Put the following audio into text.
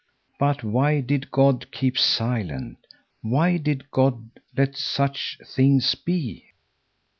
But why did God keep silent? Why did God let such things be?